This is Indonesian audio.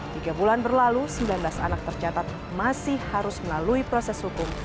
tiga bulan berlalu sembilan belas anak tercatat masih harus melalui proses hukum